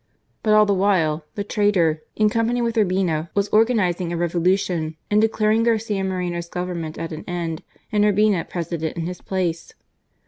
But all the while the traitor, in company with Urbina, was organizing a revolution and declaring Garcia Moreno's govern ment at an end and Urbina President in his place